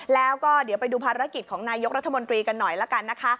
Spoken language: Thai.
แล้วก็เดี๋ยวไปดูภารกิจของนายกรัฐมนตรีกันหน่อยละกันนะคะ